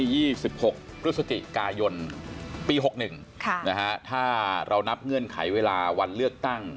ที่๒๖พฤศจิกายนปี๖๑ถ้าเรานับเงื่อนไขเวลาวันเลือกตั้ง